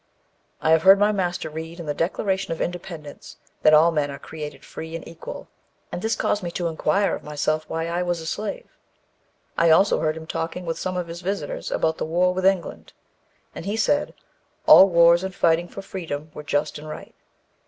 I have heard my master read in the Declaration of Independence 'that all men are created free and equal,' and this caused me to inquire of myself why I was a slave. I also heard him talking with some of his visitors about the war with England, and he said, all wars and fightings for freedom were just and right.